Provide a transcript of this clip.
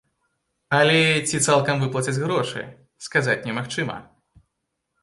Але ці цалкам выплацяць грошы, сказаць немагчыма.